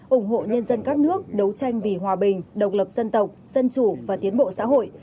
ủng hộ nhân dân các nước đấu tranh vì hòa bình độc lập dân tộc dân chủ và tiến bộ xã hội